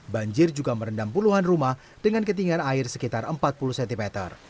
banjir juga merendam puluhan rumah dengan ketinggian air sekitar empat puluh cm